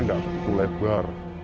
nggak begitu lebar